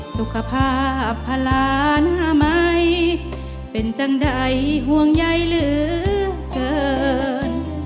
สุขภาพพลังไหมเป็นจังใดห่วงใยเหลือเกิน